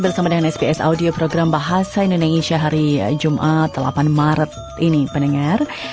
bersama dengan sps audio program bahasa indonesia hari jumat delapan maret ini pendengar